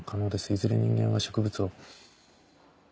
いずれ人間は植物を。